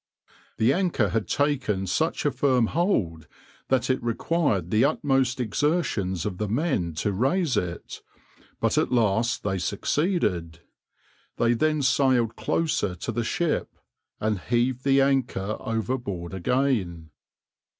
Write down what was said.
The anchor had taken such a firm hold that it required the utmost exertions of the men to raise it, but at last they succeeded. They then sailed closer to the ship, and heaved the anchor overboard again.